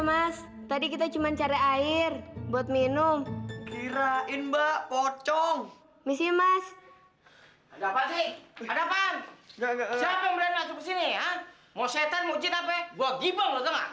mau setan mau cita apa buat gibong lo kan mbak